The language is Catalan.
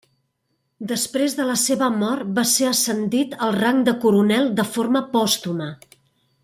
Després de la seva mort va ser ascendit al rang de Coronel de forma pòstuma.